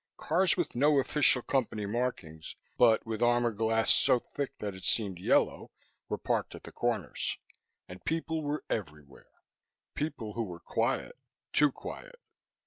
Cars with no official company markings, but with armor glass so thick that it seemed yellow, were parked at the corners. And people were everywhere. People who were quiet. Too quiet.